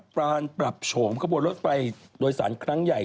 ปรานปรับโฉมขบวนรถไฟโดยสารครั้งใหญ่